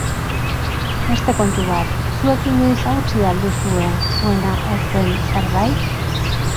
Beste kontu bat, zuek inoiz hautsi al duzue zuena ez zen zerbait?